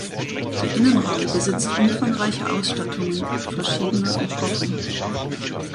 Der Innenraum besitzt umfangreiche Ausstattungen verschiedener Epochen.